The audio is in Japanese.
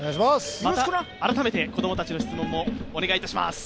また改めて子供たちの質問もお願いします。